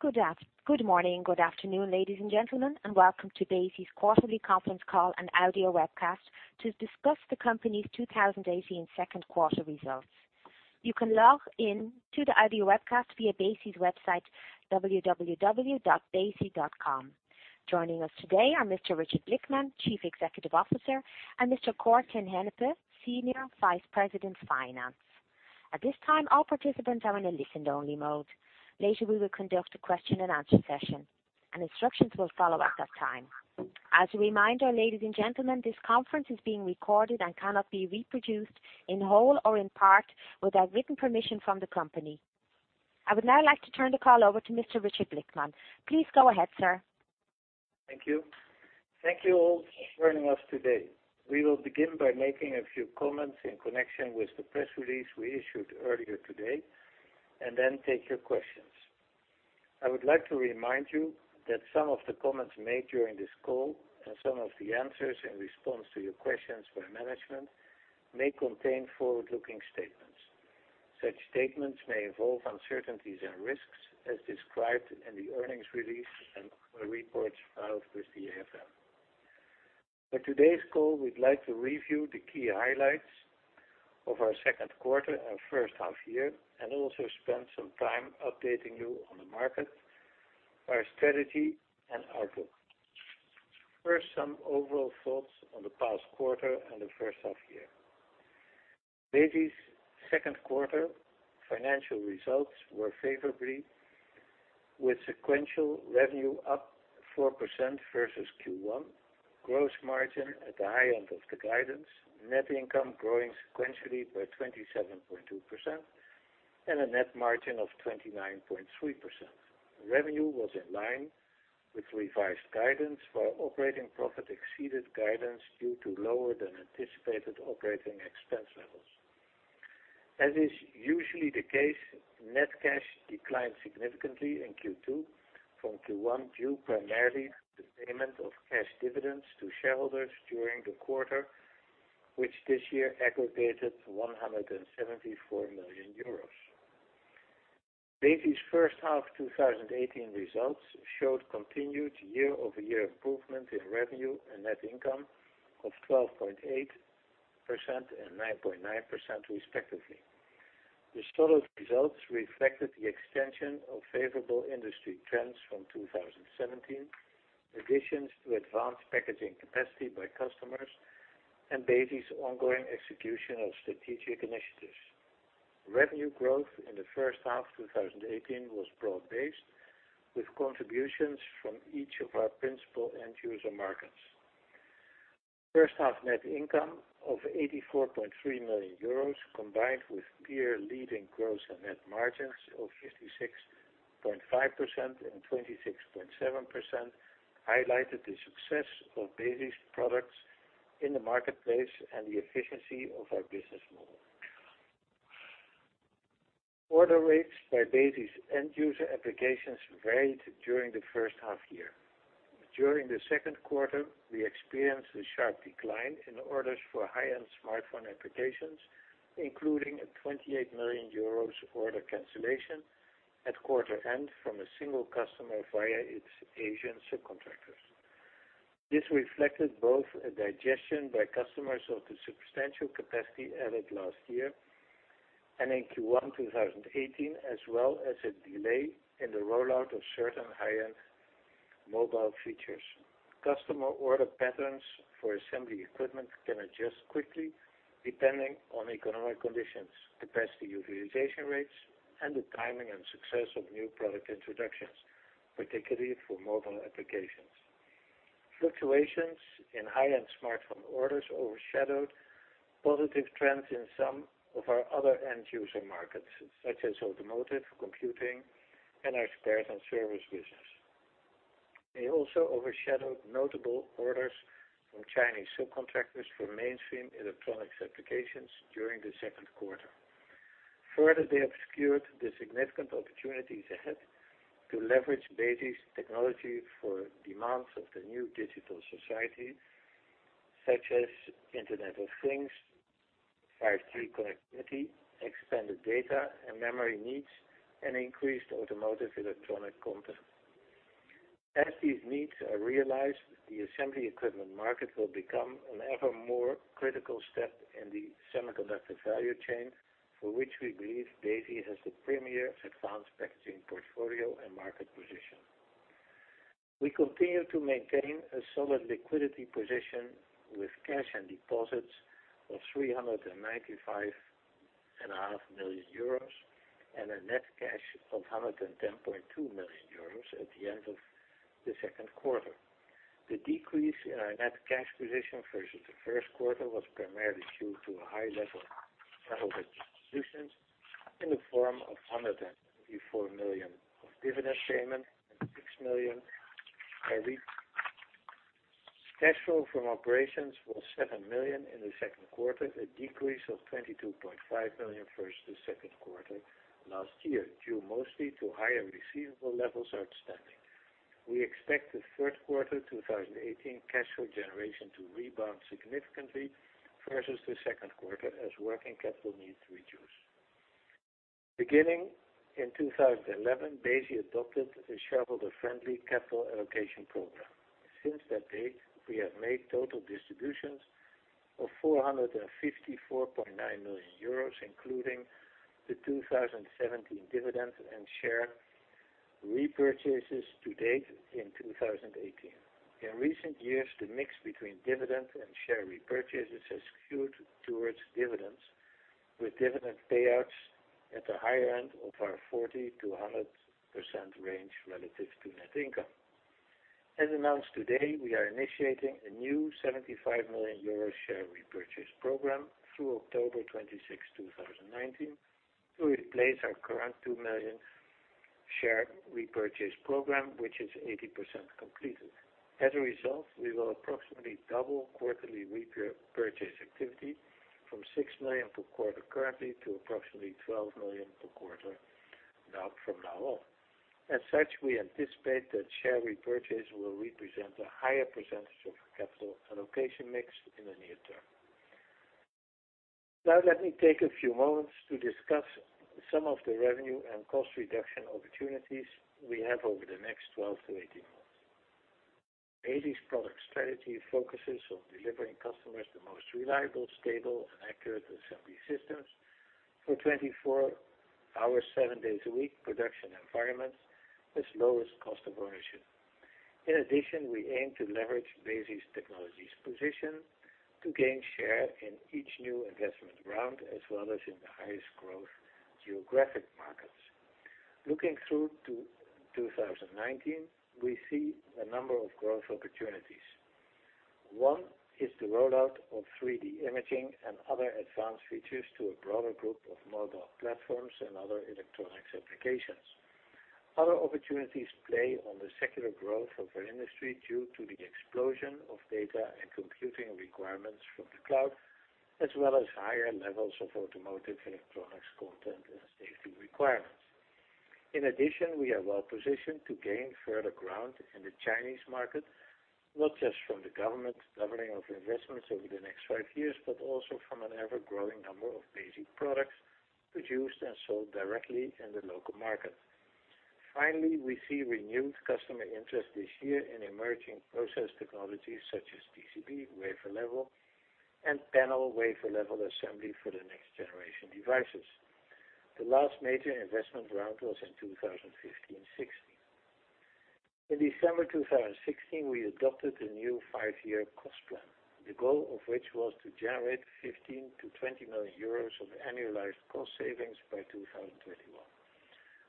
Good morning, good afternoon, ladies and gentlemen, welcome to Besi's quarterly conference call and audio webcast to discuss the company's 2018 second quarter results. You can log in to the audio webcast via Besi's website, www.besi.com. Joining us today are Mr. Richard Blickman, Chief Executive Officer, and Mr. Cor te Hennepe, Senior Vice President, Finance. At this time, all participants are in a listen-only mode. Later, we will conduct a question and answer session, and instructions will follow at that time. As a reminder, ladies and gentlemen, this conference is being recorded and cannot be reproduced in whole or in part without written permission from the company. I would now like to turn the call over to Mr. Richard Blickman. Please go ahead, sir. Thank you. Thank you all for joining us today. We will begin by making a few comments in connection with the press release we issued earlier today, and then take your questions. I would like to remind you that some of the comments made during this call and some of the answers in response to your questions by management may contain forward-looking statements. Such statements may involve uncertainties and risks as described in the earnings release and in reports filed with the AFM. For today's call, we'd like to review the key highlights of our second quarter and first half year, and also spend some time updating you on the market, our strategy, and outlook. First, some overall thoughts on the past quarter and the first half year. Besi's second quarter financial results were favorable, with sequential revenue up 4% versus Q1, gross margin at the high end of the guidance, net income growing sequentially by 27.2%, and a net margin of 29.3%. Revenue was in line with revised guidance, while operating profit exceeded guidance due to lower than anticipated operating expense levels. As is usually the case, net cash declined significantly in Q2 from Q1 due primarily to the payment of cash dividends to shareholders during the quarter, which this year aggregated 174 million euros. Besi's first half 2018 results showed continued year-over-year improvement in revenue and net income of 12.8% and 9.9% respectively. The solid results reflected the extension of favorable industry trends from 2017, additions to advanced packaging capacity by customers, and Besi's ongoing execution of strategic initiatives. Revenue growth in the first half of 2018 was broad-based, with contributions from each of our principal end-user markets. First-half net income of 84.3 million euros, combined with peer-leading gross and net margins of 56.5% and 26.7%, highlighted the success of Besi's products in the marketplace and the efficiency of our business model. Order rates by Besi's end-user applications varied during the first half-year. During the second quarter, we experienced a sharp decline in orders for high-end smartphone applications, including a 28 million euros order cancellation at quarter end from a single customer via its Asian subcontractors. This reflected both a digestion by customers of the substantial capacity added last year and in Q1 2018, as well as a delay in the rollout of certain high-end mobile features. Customer order patterns for assembly equipment can adjust quickly depending on economic conditions, capacity utilization rates, and the timing and success of new product introductions, particularly for mobile applications. Fluctuations in high-end smartphone orders overshadowed positive trends in some of our other end-user markets, such as automotive, computing, and our spare and service business. They also overshadowed notable orders from Chinese subcontractors for mainstream electronics applications during the second quarter. Further, they obscured the significant opportunities ahead to leverage Besi's technology for demands of the new digital society, such as Internet of Things, 5G connectivity, expanded data, and memory needs, and increased automotive electronic content. As these needs are realized, the assembly equipment market will become an ever more critical step in the semiconductor value chain, for which we believe Besi has the premier advanced packaging portfolio and market position. We continue to maintain a solid liquidity position with cash and deposits of 395.5 million euros and a net cash of 110.2 million euros at the end of the second quarter. The decrease in our net cash position versus the first quarter was primarily due to a high level of shareholder distributions in the form of 124 million of dividend payment and 6 million. Cash flow from operations was 7 million in the second quarter, a decrease of 22.5 million versus the second quarter last year, due mostly to higher receivable levels outstanding. We expect the third quarter 2018 cash flow generation to rebound significantly versus the second quarter as working capital needs reduce. Beginning in 2011, Besi adopted a shareholder-friendly capital allocation program. Since that date, we have made total distributions of 454.9 million euros, including the 2017 dividend and share repurchases to date in 2018. In recent years, the mix between dividend and share repurchases has skewed towards dividends, with dividend payouts at the higher end of our 40%-100% range relative to net income. As announced today, we are initiating a new 75 million euro share repurchase program through October 26, 2019, to replace our current 2 million share repurchase program, which is 80% completed. As a result, we will approximately double quarterly repurchase activity from 6 million per quarter currently to approximately 12 million per quarter from now on. As such, we anticipate that share repurchase will represent a higher percentage of capital allocation mix in the near term. Let me take a few moments to discuss some of the revenue and cost reduction opportunities we have over the next 12-18 months. Besi's product strategy focuses on delivering customers the most reliable, stable, and accurate assembly systems for 24-hour, seven days a week production environments with lowest cost of ownership. In addition, we aim to leverage Besi's technologies position to gain share in each new investment round, as well as in the highest growth geographic markets. Looking through to 2019, we see a number of growth opportunities. One is the rollout of 3D imaging and other advanced features to a broader group of mobile platforms and other electronics applications. Other opportunities play on the secular growth of our industry due to the explosion of data and computing requirements from the cloud, as well as higher levels of automotive electronics content and safety requirements. In addition, we are well-positioned to gain further ground in the Chinese market, not just from the government doubling of investments over the next 5 years, but also from an ever-growing number of basic products produced and sold directly in the local market. Finally, we see renewed customer interest this year in emerging process technologies such as TCB, wafer level, and panel wafer level assembly for the next generation devices. The last major investment round was in 2015-2016. In December 2016, we adopted a new 5-year cost plan, the goal of which was to generate 15 million-20 million euros of annualized cost savings by 2021.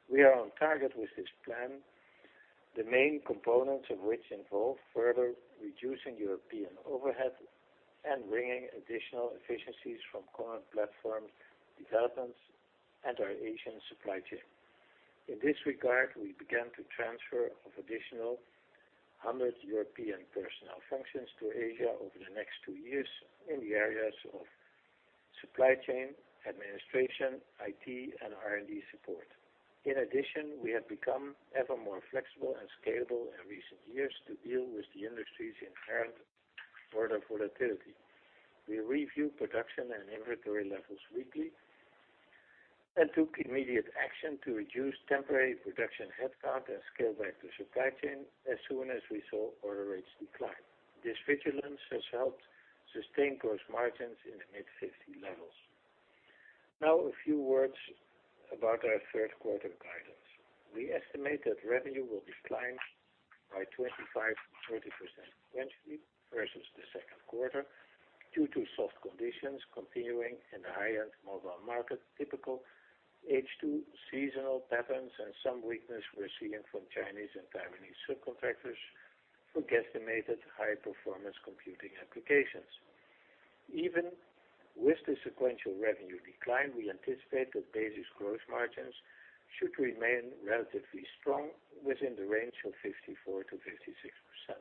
We are on target with this plan, the main components of which involve further reducing European overheads and bringing additional efficiencies from common platform developments and our Asian supply chain. In this regard, we began to transfer additional 100 European personnel functions to Asia over the next 2 years in the areas of supply chain, administration, IT, and R&D support. In addition, we have become ever more flexible and scalable in recent years to deal with the industry's inherent order volatility. We review production and inventory levels weekly and took immediate action to reduce temporary production headcount and scale back the supply chain as soon as we saw order rates decline. This vigilance has helped sustain gross margins in the mid-50 levels. Now a few words about our third quarter guidance. We estimate that revenue will decline by 25%-30% sequentially versus the second quarter due to soft conditions continuing in the higher mobile market, typical H2 seasonal patterns, and some weakness we're seeing from Chinese and Taiwanese subcontractors for guesstimated high-performance computing applications. Even with the sequential revenue decline, we anticipate that Besi's gross margins should remain relatively strong within the range of 54%-56%.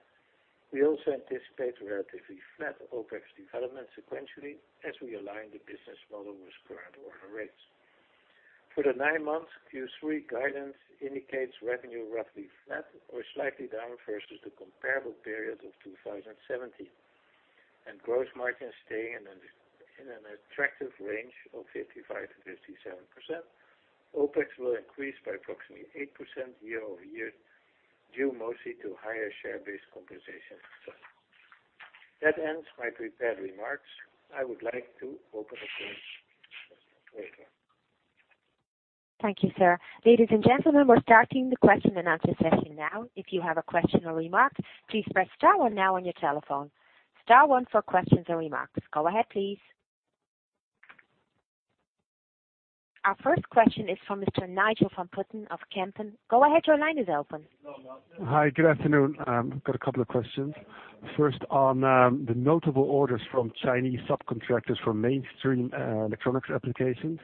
We also anticipate relatively flat OpEx development sequentially as we align the business model with current order rates. For the 9 months, Q3 guidance indicates revenue roughly flat or slightly down versus the comparable period of 2017 and gross margin staying in an attractive range of 55%-57%. OpEx will increase by approximately 8% year-over-year, due mostly to higher share-based compensation expense. That ends my prepared remarks. I would like to open the floor for questions. Thank you, sir. Ladies and gentlemen, we're starting the question and answer session now. If you have a question or remark, please press star one now on your telephone. Star one for questions and remarks. Go ahead, please. Our first question is from Mr. Nigel van Putten of Kempen. Go ahead, your line is open. Hi, good afternoon. I've got a couple of questions. First, on the notable orders from Chinese subcontractors for mainstream electronics applications.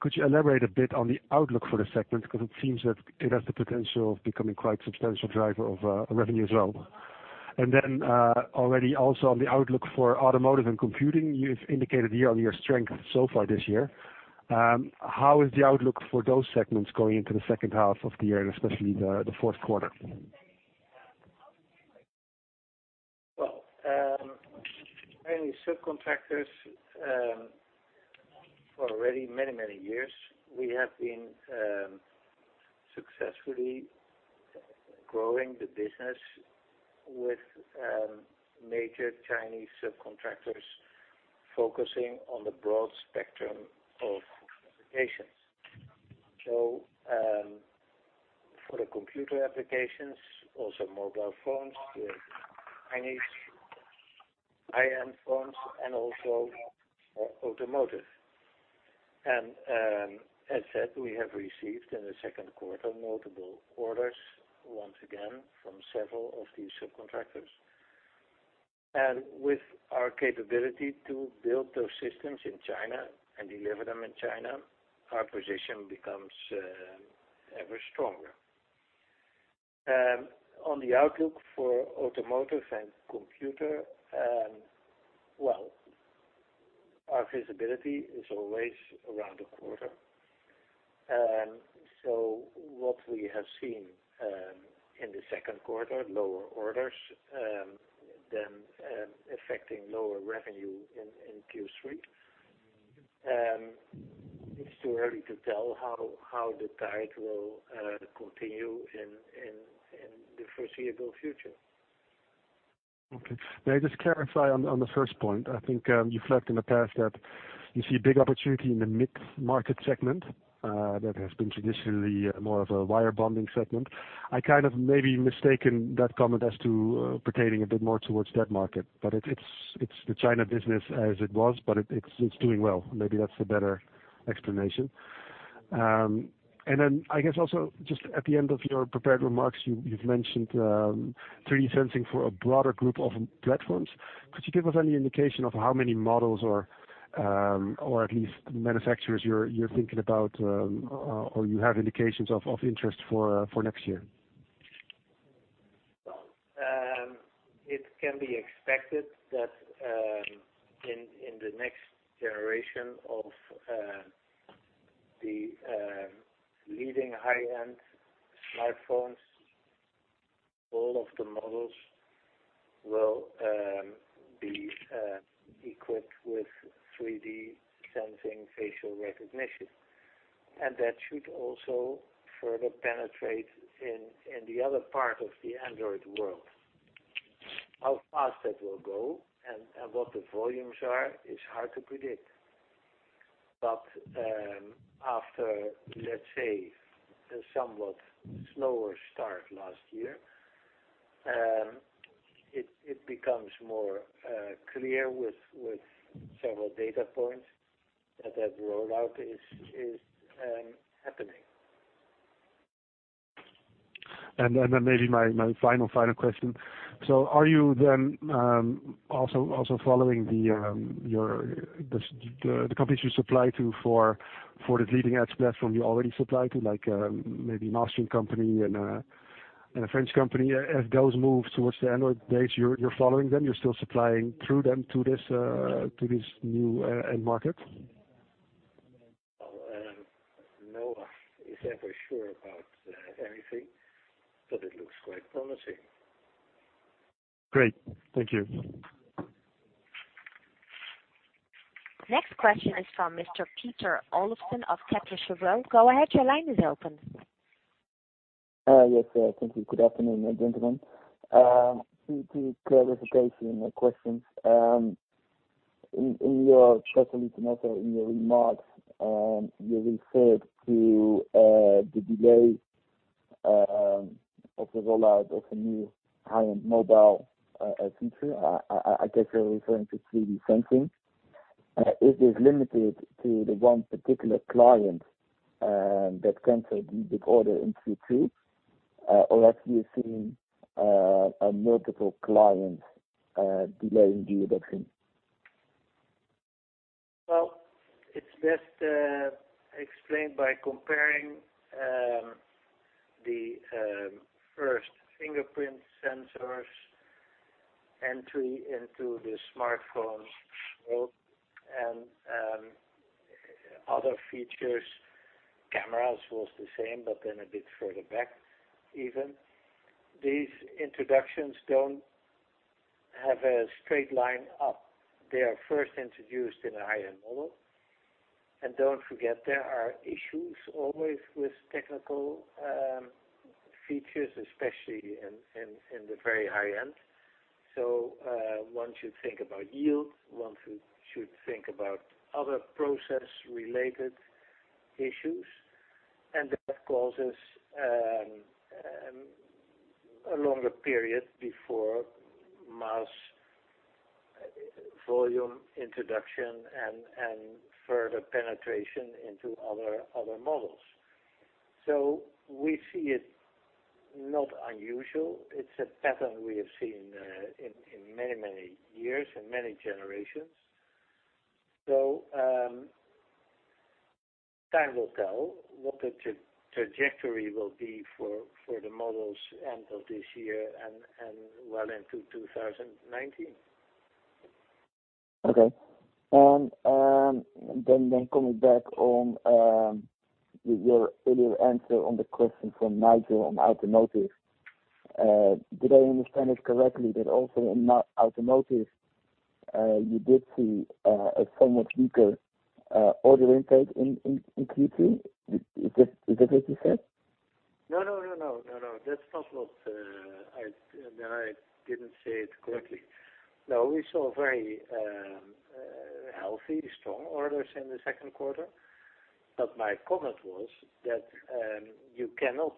Could you elaborate a bit on the outlook for the segment? It seems that it has the potential of becoming quite a substantial driver of revenue as well. Already also on the outlook for automotive and computing, you've indicated year-on-year strength so far this year. How is the outlook for those segments going into the second half of the year, especially the fourth quarter? Well, many subcontractors for already many years, we have been successfully growing the business with major Chinese subcontractors focusing on the broad spectrum of applications. For the computer applications, also mobile phones with Chinese high-end phones and also automotive. As said, we have received in the second quarter multiple orders, once again from several of these subcontractors. With our capability to build those systems in China and deliver them in China, our position becomes ever stronger. On the outlook for automotive and computer, well, our visibility is always around a quarter. What we have seen in the second quarter, lower orders, then affecting lower revenue in Q3. It's too early to tell how the tide will continue in the foreseeable future. Okay. May I just clarify on the first point, I think you flagged in the past that you see a big opportunity in the mid-market segment that has been traditionally more of a wire bonding segment. I kind of maybe mistaken that comment as to pertaining a bit more towards that market, but it's the China business as it was, but it's doing well. Maybe that's a better explanation. I guess also just at the end of your prepared remarks, you've mentioned 3D sensing for a broader group of platforms. Could you give us any indication of how many models or at least manufacturers you're thinking about, or you have indications of interest for next year? Well, it can be expected that in the next generation of the leading high-end smartphones, all of the models will be equipped with 3D facial recognition. That should also further penetrate in the other part of the Android world. How fast that will go and what the volumes are is hard to predict. After, let's say, a somewhat slower start last year, it becomes more clear with several data points that that rollout is happening. Maybe my final question. Are you then also following the companies you supply to for the leading-edge platform you already supply to, like maybe an Austrian company and a French company? As those move towards the Android base, you're following them, you're still supplying through them to this new end market? No one is ever sure about anything, but it looks quite promising. Great. Thank you. Next question is from Mr. Peter Olofsen of Kepler Cheuvreux. Go ahead, your line is open. Yes, thank you. Good afternoon, gentlemen. Two clarification questions. In your strategy and also in your remarks, you referred to the delay of the rollout of a new high-end mobile feature. I guess you're referring to 3D sensing. Is this limited to the one particular client that canceled the big order in Q2, or have you seen multiple clients delaying the adoption? Well, it's best explained by comparing the first fingerprint sensors entry into the smartphone's world and other features. Cameras was the same, a bit further back even. These introductions don't have a straight line up. They are first introduced in a higher model. Don't forget, there are issues always with technical features, especially in the very high-end. One should think about yield, one should think about other process-related issues, and that causes a longer period before mass volume introduction and further penetration into other models. We see it not unusual. It's a pattern we have seen in many years, in many generations. Time will tell what the trajectory will be for the models end of this year and well into 2019. Okay. Coming back on your earlier answer on the question from Nigel on automotive. Did I understand it correctly that also in automotive, you did see a somewhat weaker order intake in Q3? Is that what you said? No. That's not what. I didn't say it correctly. We saw very healthy, strong orders in the second quarter. My comment was that you cannot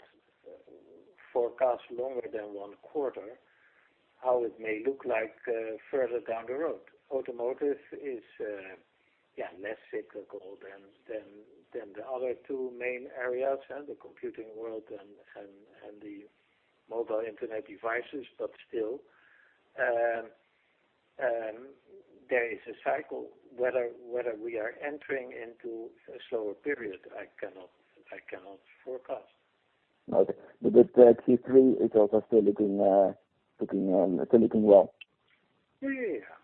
forecast longer than one quarter how it may look like further down the road. Automotive is less cyclical than the other two main areas, the computing world and the mobile internet devices. Still, there is a cycle. Whether we are entering into a slower period, I cannot forecast. Okay. Q3 is also still looking well. Yeah.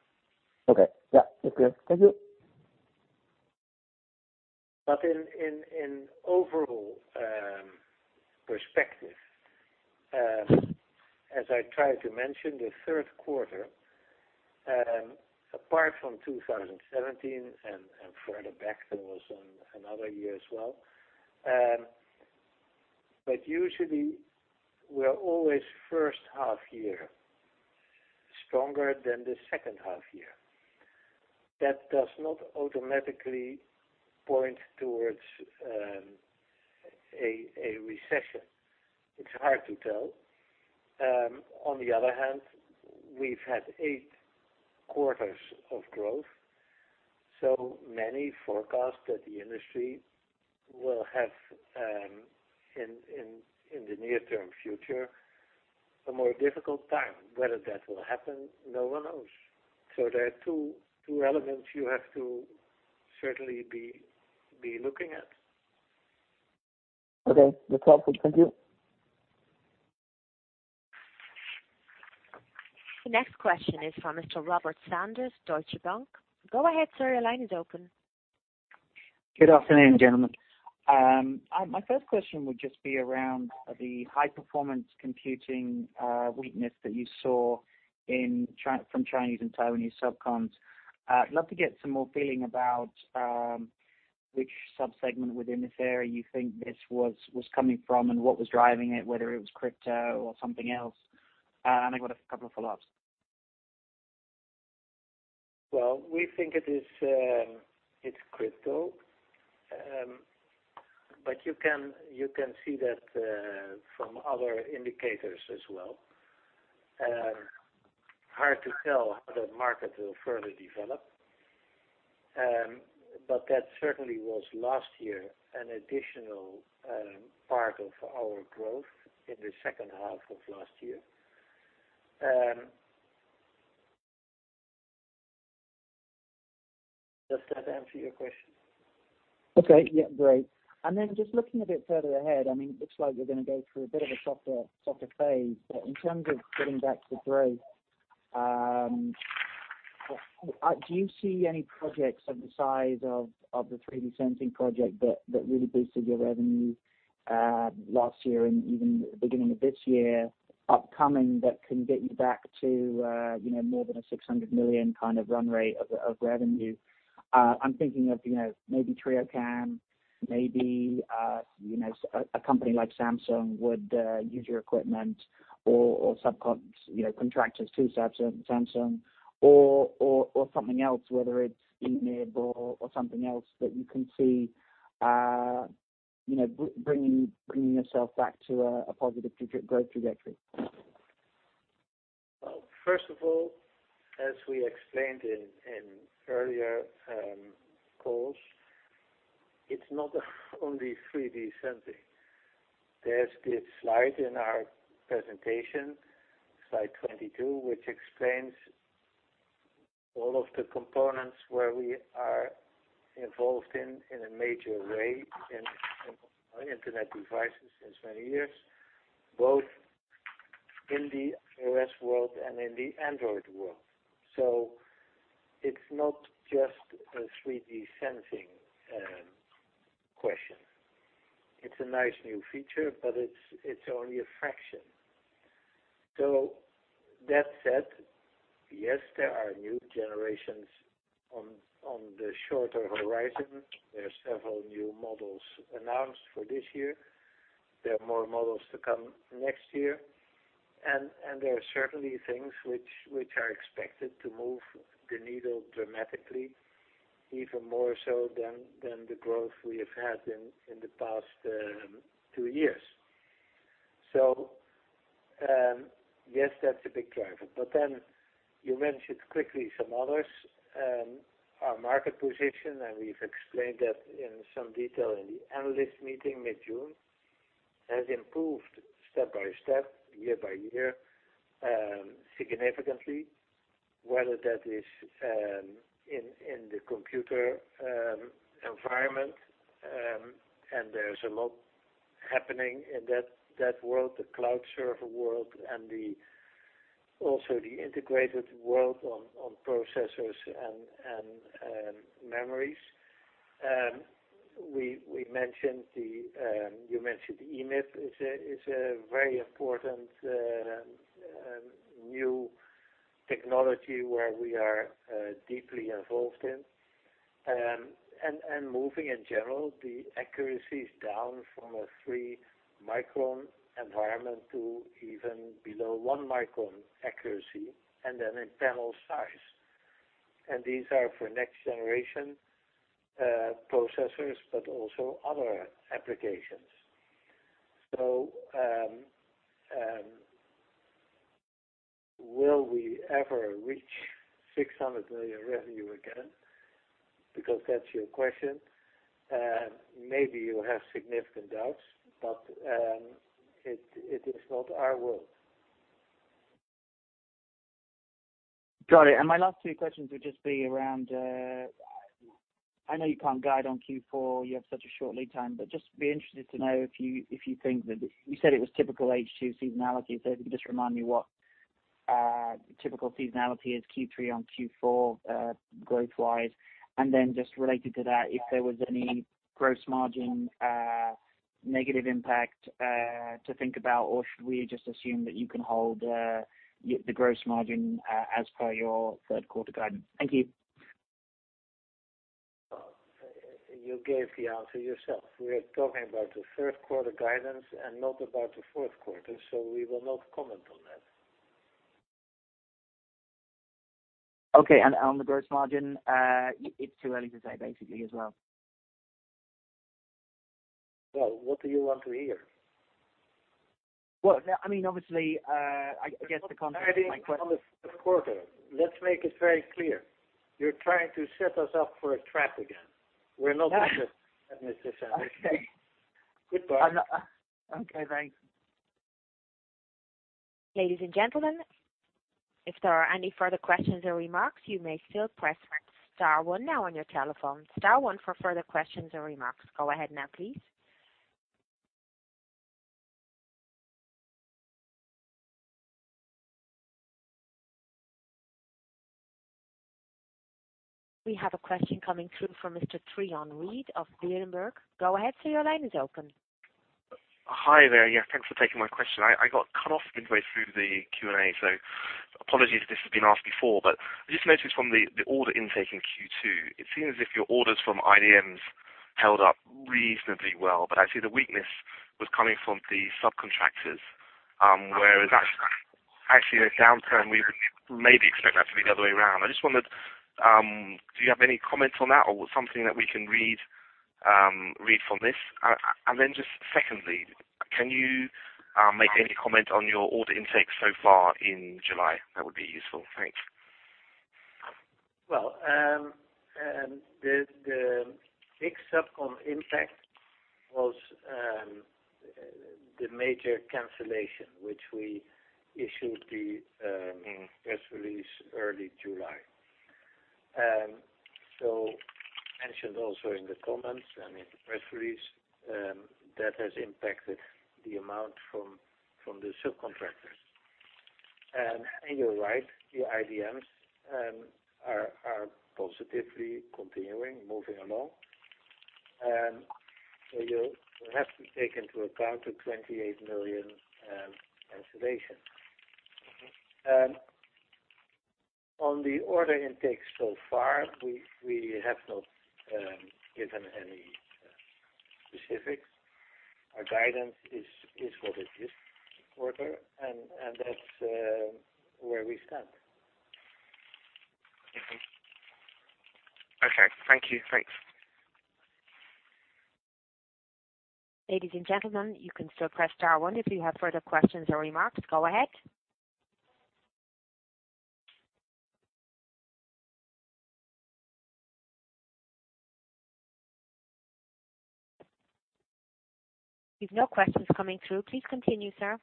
Okay. Yeah. That's clear. Thank you. In overall perspective, as I tried to mention the third quarter, apart from 2017 and further back, there was another year as well. Usually, we are always first half year stronger than the second half year. That does not automatically point towards a recession. It's hard to tell. On the other hand, we've had eight quarters of growth, many forecast that the industry will have, in the near-term future, a more difficult time. Whether that will happen, no one knows. There are two elements you have to certainly be looking at. Okay. That's helpful. Thank you. The next question is from Mr. Robert Sanders, Deutsche Bank. Go ahead, sir, your line is open. Good afternoon, gentlemen. My first question would just be around the high-performance computing weakness that you saw from Chinese and Taiwanese sub cons. I'd love to get some more feeling about which sub-segment within this area you think this was coming from, and what was driving it, whether it was crypto or something else. I got a couple of follow-ups. Well, we think it's crypto. You can see that from other indicators as well. Hard to tell how the market will further develop. That certainly was last year, an additional part of our growth in the second half of last year. Does that answer your question? Okay. Yeah, great. Just looking a bit further ahead, it looks like you're going to go through a bit of a softer phase. In terms of getting back to growth, do you see any projects of the size of the 3D sensing project that really boosted your revenue last year and even beginning of this year, upcoming, that can get you back to more than a 600 million kind of run rate of revenue? I'm thinking of maybe Trio-Cam, maybe a company like Samsung would use your equipment or sub-cons, contractors to Samsung or something else, whether it's eWLB or something else that you can see bringing yourself back to a positive growth trajectory. First of all, as we explained in earlier calls, it's not only 3D sensing. There's this slide in our presentation, slide 22, which explains all of the components where we are involved in a major way in internet devices since many years, both in the iOS world and in the Android world. It's not just a 3D sensing question. It's a nice new feature, but it's only a fraction. That said, yes, there are new generations on the shorter horizon. There are several new models announced for this year. There are more models to come next year, and there are certainly things which are expected to move the needle dramatically, even more so than the growth we have had in the past two years. Yes, that's a big driver. You mentioned quickly some others. Our market position, we've explained that in some detail in the analyst meeting mid-June, has improved step-by-step, year-by-year, significantly, whether that is in the computer environment, and there is a lot happening in that world, the cloud server world and also the integrated world on processors and memories. You mentioned EMIB. It's a very important new technology where we are deeply involved in. Moving, in general, the accuracies down from a three-micron environment to even below one-micron accuracy, and then in panel size. These are for next-generation processors, but also other applications. Will we ever reach 600 million revenue again? Because that's your question. Maybe you have significant doubts, but it is not our world. Got it. My last two questions would just be around, I know you can't guide on Q4, you have such a short lead time, but just be interested to know if you think that you said it was typical H2 seasonality, if you could just remind me what typical seasonality is Q3 on Q4, growth-wise. Related to that, if there was any gross margin negative impact to think about, or should we just assume that you can hold the gross margin as per your third quarter guidance? Thank you. You gave the answer yourself. We are talking about the third quarter guidance and not about the fourth quarter, we will not comment on that. Okay. On the gross margin, it's too early to say basically as well? What do you want to hear? Obviously, I guess the concept of my question. On the fourth quarter. Let's make it very clear. You're trying to set us up for a trap again. We're not going to administer that. Okay. Goodbye. Okay, thanks. Ladies and gentlemen, if there are any further questions or remarks, you may still press star one now on your telephone. Star one for further questions or remarks. Go ahead now, please. We have a question coming through from Mr. Trion Reid of Berenberg. Go ahead, sir, your line is open. Hi there. Yeah, thanks for taking my question. I got cut off midway through the Q&A, so apologies if this has been asked before. I just noticed from the order intake in Q2, it seems as if your orders from IDMs held up reasonably well, actually the weakness was coming from the subcontractors, whereas actually a downturn, we would maybe expect that to be the other way around. I just wondered, do you have any comments on that or something that we can read from this? Just secondly, can you make any comment on your order intake so far in July? That would be useful. Thanks. Well, the big subcom impact was the major cancellation, which we issued the press release early July. Mentioned also in the comments and in the press release, that has impacted the amount from the subcontractors. You're right, the IDMs are positively continuing, moving along. You have to take into account the 28 million cancellation. On the order intake so far, we have not given any specifics. Our guidance is what it is, quarter, and that's where we stand. Okay. Thank you. Thanks. Ladies and gentlemen, you can still press star one if you have further questions or remarks. Go ahead. We've no questions coming through. Please continue, sir.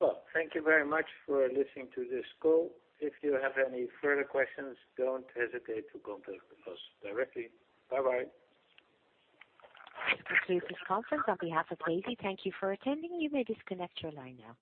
Well, thank you very much for listening to this call. If you have any further questions, don't hesitate to contact us directly. Bye-bye. This concludes this conference. On behalf of Besi, thank you for attending. You may disconnect your line now.